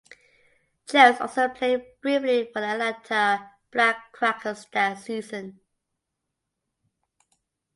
Jones also played briefly for the Atlanta Black Crackers that season.